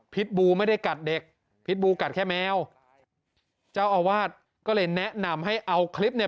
บูไม่ได้กัดเด็กพิษบูกัดแค่แมวเจ้าอาวาสก็เลยแนะนำให้เอาคลิปเนี่ย